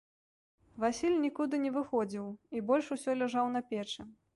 Васіль нікуды не выходзіў і больш усё ляжаў на печы.